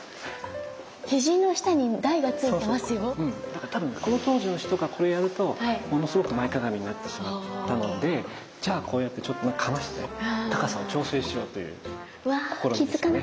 だから多分この当時の人がこれやるとものすごく前かがみになってしまったのでじゃあこうやってちょっとかませて高さを調整しようという試みですね。